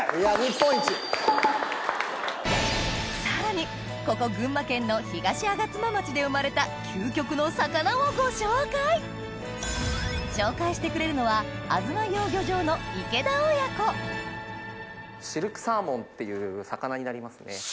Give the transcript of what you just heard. さらにここ群馬県の東吾妻町で生まれた究極の魚をご紹介紹介してくれるのはあづま養魚場の池田親子っていう魚になりますね。